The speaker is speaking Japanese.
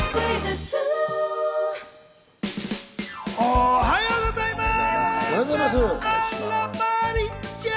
おはようございます！